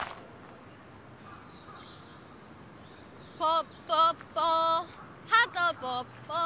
「ぽっぽっぽはとぽっぽ」